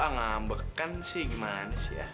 ngambekan sih gimana sih ya